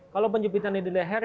kalau penjepitannya di leher